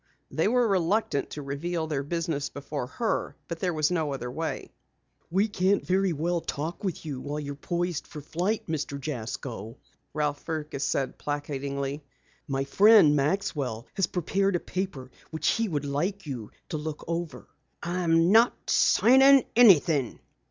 They were reluctant to reveal their business before her but there was no other way. "We can't talk with you very well while you're poised for flight, Mr. Jasko," Ralph Fergus said placatingly. "My friend, Maxwell, has prepared a paper which he would like to have you look over." "I'm not signin' anything!"